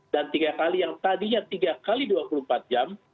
tiga kali yang tadinya tiga x dua puluh empat jam